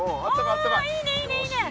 おいいねいいねいいね！